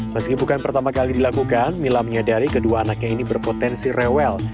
meski bukan pertama kali dilakukan mila menyadari kedua anaknya ini berpotensi rewel